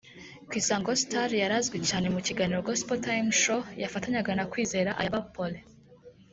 Ku Isango Star yari azwi cyane mu kiganiro Gospel Time Show yafatanyaga na Kwizera Ayabba Paulin